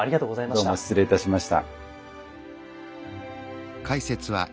どうも失礼いたしました。